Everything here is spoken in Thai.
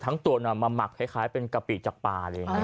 มาหมักเเคยคล้ายเป็นกะปิจากปา